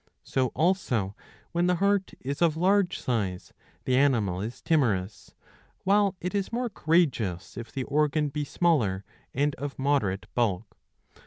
So also when the heart is of large size the animal is timorous, while it is more courageous if the organ be smaller and of moderate bulk.